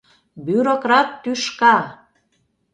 — Бюрократ тӱшка!